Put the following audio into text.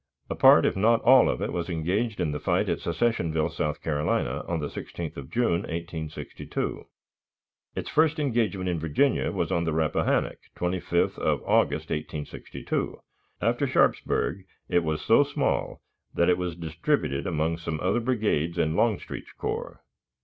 A part, if not all, of it was engaged in the fight at Secessionville, South Carolina, on the 16th of June, 1862. Its first engagement in Virginia was on the Rappahannock, 25th of August, 1862. After Sharpsburg, it was so small that it was distributed among some other brigades in Longstreet's corps."